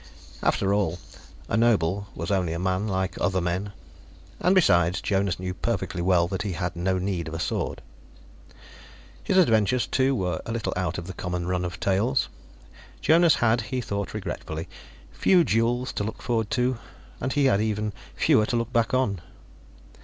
After all, a noble was only a man like other men. And, besides, Jonas knew perfectly well that he had no need of a sword. His adventures, too, were a little out of the common run of tales. Jonas had, he thought regretfully, few duels to look forward to, and he had even fewer to look back on.